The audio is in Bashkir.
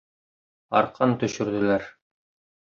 Арҡан төшөрҙөләр.